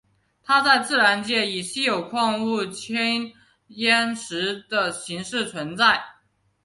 它在自然界中以稀有矿物羟铟石的形式存在。